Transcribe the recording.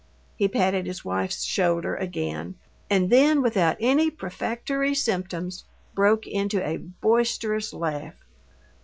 He patted his wife's shoulder again, and then, without any prefatory symptoms, broke into a boisterous laugh.